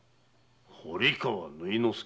堀川縫殿助？